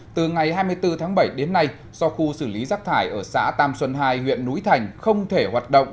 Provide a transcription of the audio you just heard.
từ ngày hai mươi bốn tháng bảy đến nay do khu xử lý rác thải ở xã tam xuân hai huyện núi thành không thể hoạt động